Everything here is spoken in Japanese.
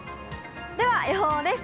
では予報です。